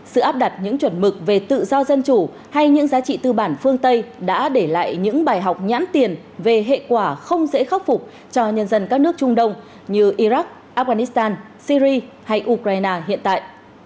sự áp đặt những chuẩn mực về tự do dân chủ hay những giá trị tư bản phương tây đã để lại những bài học nhãn tiền về hệ quả không dễ khắc phục cho nhân dân các nước trung đông như iraq afghanistan syri hay ukraine hiện tại